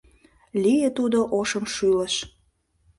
Лие тудо ошымшӱлыш